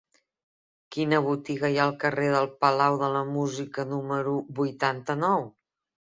Quina botiga hi ha al carrer del Palau de la Música número vuitanta-nou?